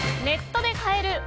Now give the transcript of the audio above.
ネットで買える！！